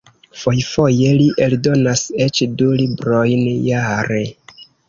Fojfoje li eldonas eĉ du librojn jare.